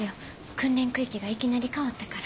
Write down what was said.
訓練空域がいきなり変わったから。